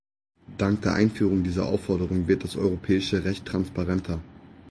Dank der Einführung dieser Anforderung wird das europäische Recht transparenter.